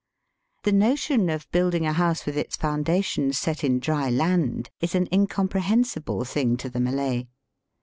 The notion of building a house with its foundations set in dry land is an incomprehensible thing to the Malay.